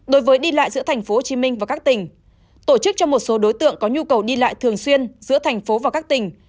đối với đi lại giữa thành phố hồ chí minh và các tỉnh tổ chức cho một số đối tượng có nhu cầu đi lại thường xuyên giữa thành phố và các tỉnh